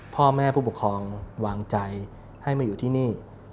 พ่อแม่ผู้ปกครองวางใจให้มาอยู่ที่นี่